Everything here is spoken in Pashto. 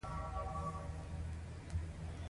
امیبا د پروټوزوا مثال دی